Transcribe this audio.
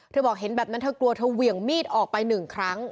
บอกเห็นแบบนั้นเธอกลัวเธอเหวี่ยงมีดออกไปหนึ่งครั้ง